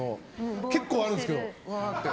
結構、あるんですけど。